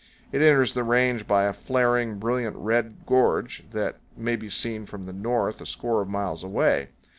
It enters the range by a flaring, brilliant red gorge, that may be seen from the north a score of miles away.